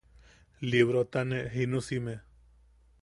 Librota ne jinusime.